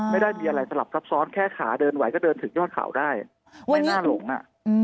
ไม่ได้มีอะไรสลับซับซ้อนแค่ขาเดินไหวก็เดินถึงยอดเขาได้ไว้หน้าหลงอ่ะ